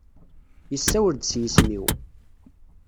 Yessawel-d s yisem-iw.